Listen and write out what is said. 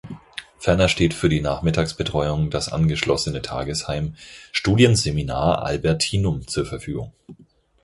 Ferner steht für die Nachmittagsbetreuung das angeschlossene Tagesheim "Studienseminar Albertinum" zur Verfügung.